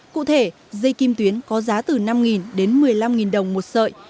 cụ thể dây kim tuyến có giá từ năm đến một mươi năm đồng một sợi